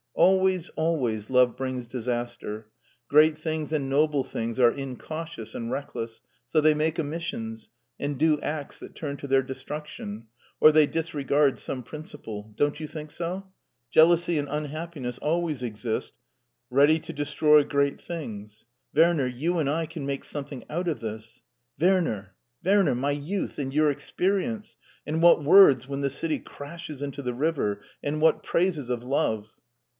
'' Always, always, love brings disaster. Great things and noble things are incautious and reckless, so they make omissions, and do acts that turn to their destruc tion, or they disregard some principle. Don't you think so? Jealousy and unhappiness always exist ready to destroy great things, Werner, you and I can make something out of this. Werner, Werner! My youth and your experience! And what words when the city crashes into the river, and what praises of love!"